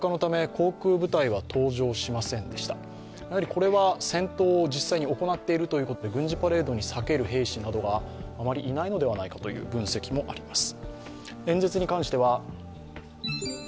これは戦闘を実際に行っているということで軍事パレードにさける兵士があまりいないのではないかといった分析もあります。